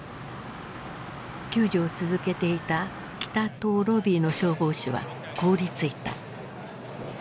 救助を続けていた北棟ロビーの消防士は凍りついた。